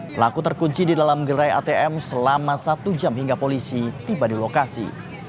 pelaku terkunci di dalam gerai atm selama satu jam hingga polisi tiba di lokasi